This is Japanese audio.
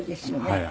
はい。